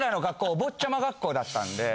お坊ちゃま学校だったんで。